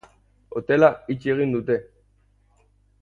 Hotela itxi egin dute.